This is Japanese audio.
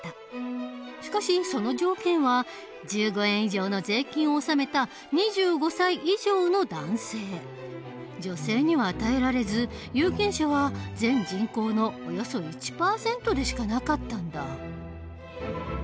しかしその条件は女性には与えられず有権者は全人口のおよそ１％でしかなかったんだ。